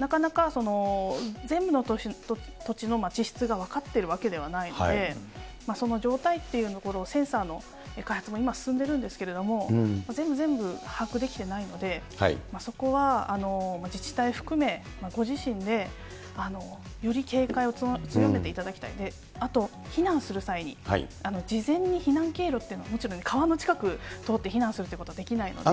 なかなか全部の土地の地質が分かっているわけではないので、その状態というところをセンサーの開発も今、進んでいるんですけれども、全部全部、把握できていないので、そこは自治体含め、ご自身でより警戒を強めていただきたい、あと、避難する際に、事前に避難経路というのを、もちろん川の近く、通って避難するということはできないので。